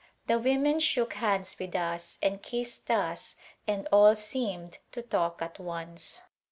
The women shook hands with us and kissed us and all seemed to talk at once.